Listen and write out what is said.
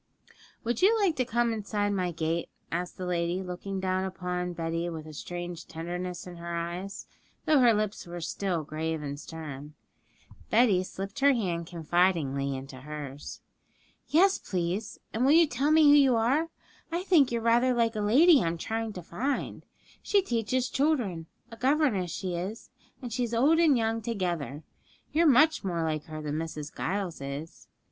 'Would you like to come inside my gate?' asked the lady, looking down upon Betty with a strange tenderness in her eyes, though her lips were still grave and stern. Betty slipped her hand confidingly into hers. 'Yes, please; and will you tell me who you are? I think you're rather like a lady I'm trying to find. She teaches children, a governess she is, and she's old and young together. You're much more like her than Mrs. Giles is.'